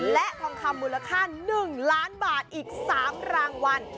และทองคำมูลค่า๑ล้านบาทอีก๓รางวัล